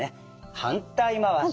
反対回し。